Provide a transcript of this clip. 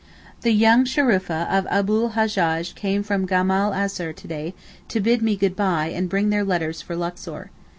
The young Shurafa of Abu l Hajjaj came from Gama'l Azhar to day to bid me goodbye and bring their letters for Luxor.